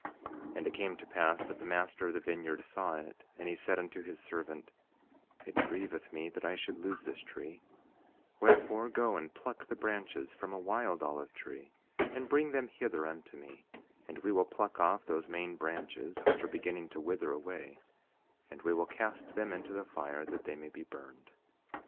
5:7 And it came to pass that the master of the vineyard saw it, and he said unto his servant: It grieveth me that I should lose this tree; wherefore, go and pluck the branches from a wild olive tree, and bring them hither unto me; and we will pluck off those main branches which are beginning to wither away, and we will cast them into the fire that they may be burned.